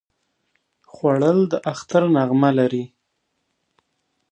خوړل د اختر نغمه لري